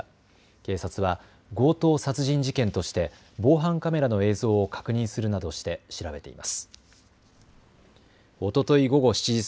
警察は強盗殺人事件として防犯カメラの映像を確認するなどして調べています。